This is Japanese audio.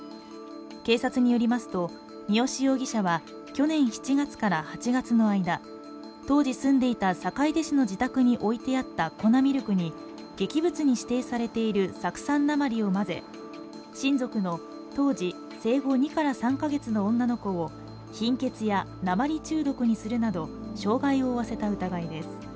警察によりますと三好容疑者は、去年７月から８月の間、当時住んでいた坂出市の自宅に置いてあった粉ミルクに劇物に指定されている酢酸鉛を混ぜ親族の当時生後２３か月の女の子を貧血や鉛中毒にするなど傷害を負わせた疑いです。